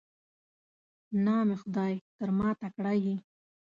نام خدای، تر ما تکړه یې.